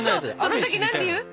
その時何て言う？